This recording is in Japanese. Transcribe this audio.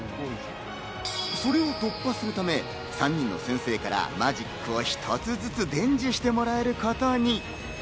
それを突破するため、３人の先生からマジックを一つずつ伝授してもらえることに。